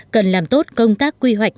cần làm tốt công tác quy hoạch